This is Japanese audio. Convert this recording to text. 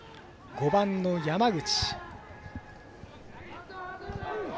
５番の山口。